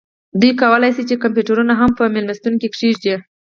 دوی کولی شي کمپیوټرونه هم په میلمستون کې کیږدي